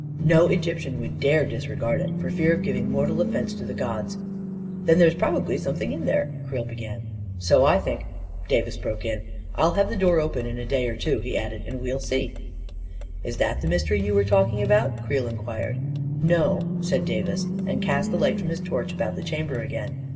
No Egyptian would dare dis regard it, for fear of giving mortal offense to the gods." 41 Then there's probably something in there," Creel began ..." So I think," Davis broke in. "I'll have the door open in a day or two," he added; " and we'll see." A KING IN BABYLON 213 CC Is that the mystery you were talking about?" Creel inquired " No," and Davis cast the light from his torch about the chamber again.